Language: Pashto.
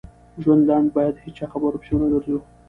ژوند لنډ بايد هيچا خبرو پسی ونه ګرځو